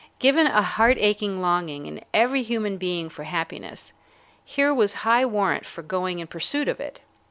Given a heart aching longing in every human being for happiness, here was high warrant for going in pursuit of it.